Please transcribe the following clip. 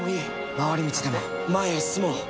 回り道でも前へ進もう。